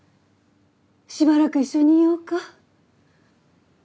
しばらく一緒にいようか？